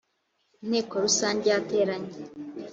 inteko rusange yateranye.